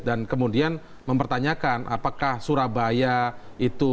dan kemudian mempertanyakan apakah surabaya itu